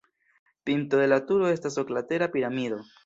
Pinto de la turo estas oklatera piramido.